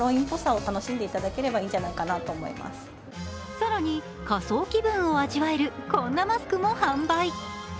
更に、仮装気分を味わえるこんなマスクも販売。